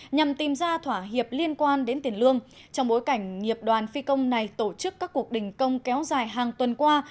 nhằm tìm ra thỏa hiệp liên quan đến tiền lương trong bối cảnh nghiệp đoàn phi công này tổ chức các cuộc đình công kéo dài hàng tuần qua